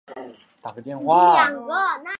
福建罗源人。